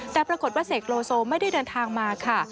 แต่ปรากฏว่าเสกโลโซไม่ได้เดินทางมาค่ะ